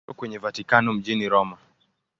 Petro kwenye Vatikano mjini Roma.